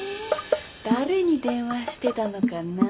誰に電話してたのかな？